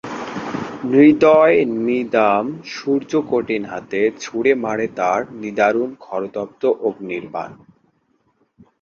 নির্দয় নিদাম সূর্য কঠিন হাতে ছুড়ে মারে তার নিদারুন খড়তপ্ত অগ্নির্বাণ।